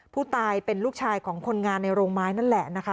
ผู้ตายเป็นลูกชายของคนงานในโรงไม้นั่นแหละนะคะ